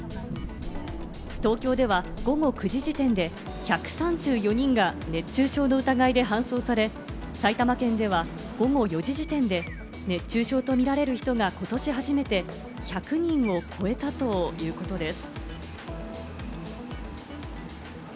東京では午後９時時点で１３４人が熱中症の疑いで搬送され、埼玉県では午後４時時点で熱中症とみられる人がことし初めて１００人を超えたということです。